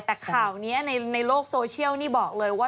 แต่ข่าวนี้ในโลกโซเชียลนี่บอกเลยว่า